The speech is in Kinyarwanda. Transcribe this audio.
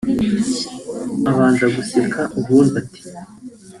(Abanza guseka ubundi ati)